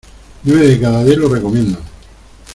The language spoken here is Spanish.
Nueve de cada diez lo recomiendan.